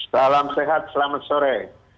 salam sehat selamat sore